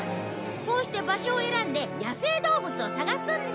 こうして場所を選んで野生動物を探すんだ。